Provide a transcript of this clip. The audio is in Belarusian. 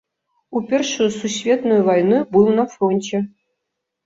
У першую сусветную вайну быў на фронце.